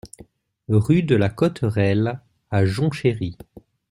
Rue de la Coterelle à Jonchery